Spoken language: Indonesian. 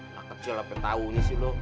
lah kecil apa tau ini sih lo